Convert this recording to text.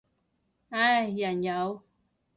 唉，人有